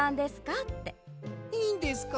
いいんですか？